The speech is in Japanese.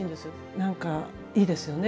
なんかいいですよね。